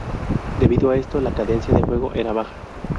Debido a esto, la cadencia de fuego era baja.